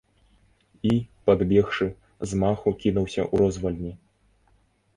І, падбегшы, з маху кінуўся ў розвальні.